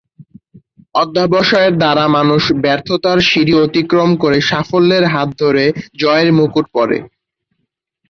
অধ্যবসায়ের দ্বারা মানুষ ব্যর্থতার সিঁড়ি অতিক্রম করে সাফল্যের হাত ধরে জয়ের মুকুট পড়ে।